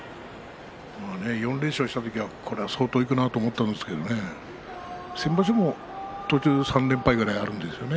４連勝した時には、これは相当いくなと思ったんですけれど先場所も途中３連敗くらいあるんですよね